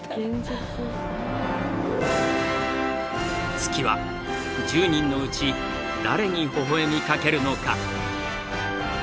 月は１０人のうち誰にほほ笑みかけるのか？